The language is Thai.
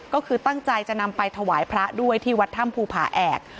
ก็คือตั้งใจจะนำไปถวายพระด้วยที่วัดถ้ำภูผาแอก